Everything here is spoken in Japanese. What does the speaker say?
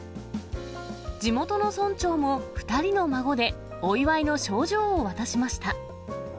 地元の村長も２人の孫で、お祝いの賞状を渡しました。